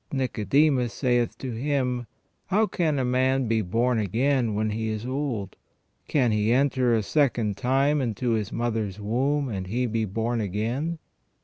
Nicodemus saith to Him : How can a man be born again when he is old ? Can he enter a second time into his mother's womb, and he born again